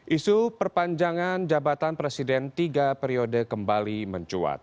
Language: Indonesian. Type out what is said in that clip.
isu perpanjangan jabatan presiden tiga periode kembali mencuat